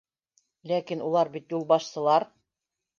Ләкин улар бит юлбашсылар...